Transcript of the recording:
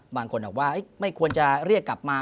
บางคนบอกว่าไม่ควรจะเรียกกลับมา